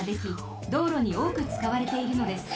道路におおくつかわれているのです。